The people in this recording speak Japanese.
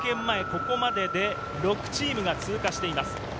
前ここまでで６チームが通過しています。